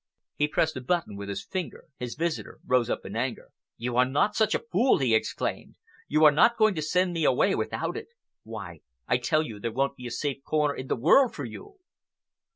He pressed a button with his finger. His visitor rose up in anger. "You are not such a fool!" he exclaimed. "You are not going to send me away without it? Why, I tell you that there won't be a safe corner in the world for you!"